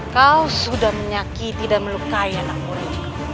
kau sudah menyakiti dan melukai anak murid